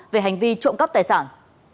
về hành vi trộm cắp tài sản